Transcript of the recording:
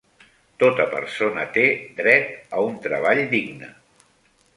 Tota persona té dret a un treball digne.